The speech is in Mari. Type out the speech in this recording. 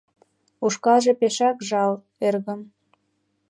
— Ушкалже пешак жал, эргым.